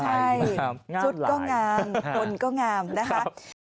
ใช่ชุดก็งามคนก็งามนะคะ